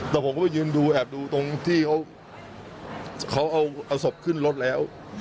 แต่ผมก็ไปยืนดูแอบดูตรงที่เขาเอาศพขึ้นรถแล้ว